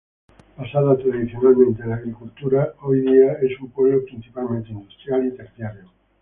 Basada tradicionalmente en la agricultura, hoy día es un pueblo principalmente industrial y terciario.